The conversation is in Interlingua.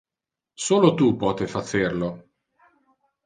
Solo tu pote facer lo.